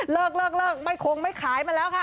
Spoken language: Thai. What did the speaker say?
เลิกเลิกไม่คงไม่ขายมาแล้วค่ะ